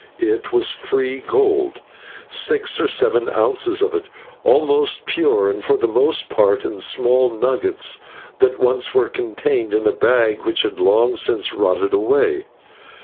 It was free gold, six or seven ounces of it, almost pure, and for the most part in small nuggets, that once were contained in a bag which had long since rotted away.